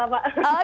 boleh boleh boleh